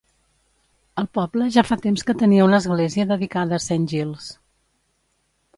El poble ja fa temps que tenia una església dedicada a Saint Giles.